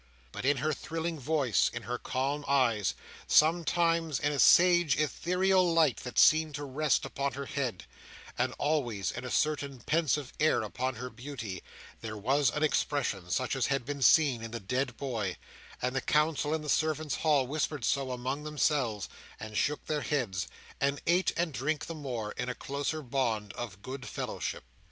But in her thrilling voice, in her calm eyes, sometimes in a sage ethereal light that seemed to rest upon her head, and always in a certain pensive air upon her beauty, there was an expression, such as had been seen in the dead boy; and the council in the Servants' Hall whispered so among themselves, and shook their heads, and ate and drank the more, in a closer bond of good fellowship.